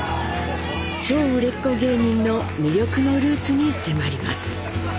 超売れっ子芸人の魅力のルーツに迫ります。